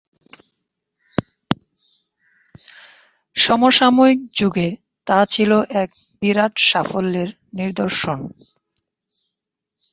সমসাময়িক যুগে তা ছিল এক বিরাট সাফল্যের নিদর্শন।